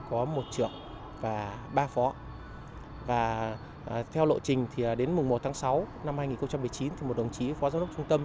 có một trưởng và ba phó theo lộ trình đến một tháng sáu năm hai nghìn một mươi chín một đồng chí phó giáo dục trung tâm